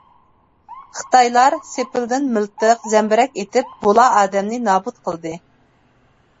خىتايلار سېپىلدىن مىلتىق، زەمبىرەك ئېتىپ، بولا ئادەمنى نابۇت قىلدى.